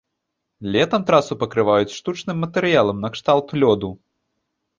Летам трасу пакрываюць штучным матэрыялам накшталт лёду.